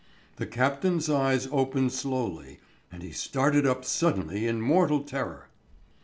The captain's eyes opened slowly, and he started up suddenly in mortal terror.